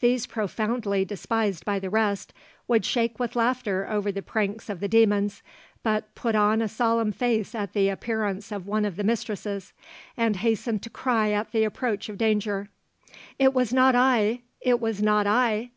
These profoundly despised by the rest, would shake with laughter over the pranks of the 'demons,' but put on a solemn face at the appearance of one of the mistresses, and hastened to cry at the approach of danger: 'It was not I!' 'It was not I!'